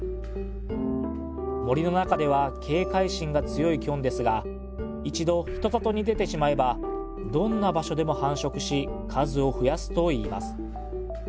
森の中では警戒心が強いキョンですが一度人里に出てしまえばどんな場所でも繁殖し数を増やすといいます。